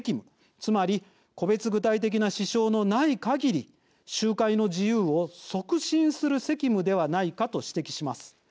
つまり、個別具体的な支障のないかぎり、集会の自由を促進する責務ではないかと指摘します。